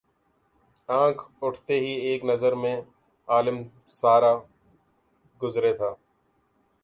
آنکھ اٹھتے ہی ایک نظر میں عالم سارا گزرے تھا